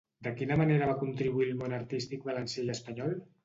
De quina manera va contribuir al món artístic valencià i espanyol?